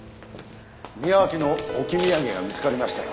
宮脇の置き土産が見つかりましたよ。